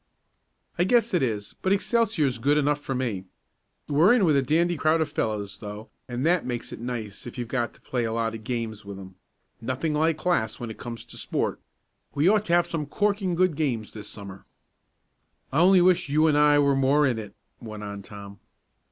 "I guess it is, but Excelsior is good enough for me. We're in with a dandy crowd of fellows, though, and that makes it nice if you've got to play a lot of games with 'em. Nothing like class when it comes to sport. We ought to have some corking good games this Summer." "I only wish you and I were more in it," went on Tom.